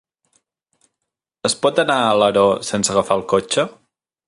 Es pot anar a Alaró sense agafar el cotxe?